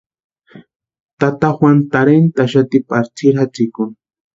Tata Juanu tarhentʼaxati pari tsiri jatsikuni.